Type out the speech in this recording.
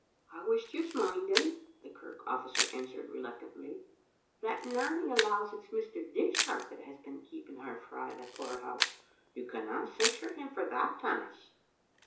"I was just minding," the kirk ofl&cer answered re luctantly, that Nanny allows it's Mr. Dishart that has been keeping her frae the poorhouse. You canna cen sure him for that, Tammas."